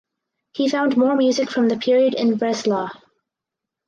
He found more music from the period in Breslau.